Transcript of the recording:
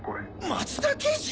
松田刑事？